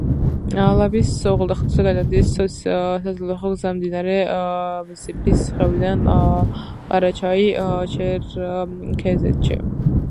ლაბის უღელტეხილზე გადადის საცალფეხო გზა მდინარე ბზიფის ხეობიდან ყარაჩაი-ჩერქეზეთში.